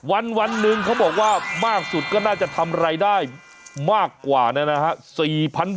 วันหนึ่งเขาบอกว่ามากสุดก็น่าจะทำรายได้มากกว่านะฮะ